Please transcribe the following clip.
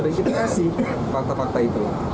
dan kita kasih fakta fakta itu